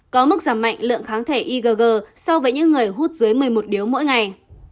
có mức giảm mạnh lượng kháng thể igg so với những người hút dưới một mươi một điếu mỗi ngày